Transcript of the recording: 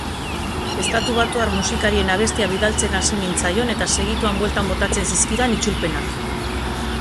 Estatubatuar musikarien abestiak bidaltzen hasi nintzaion eta segituan bueltan botatzen zizkidan itzulpenak.